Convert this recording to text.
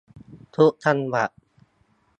ทุกจังหวัด